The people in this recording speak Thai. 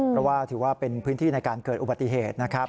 เพราะว่าถือว่าเป็นพื้นที่ในการเกิดอุบัติเหตุนะครับ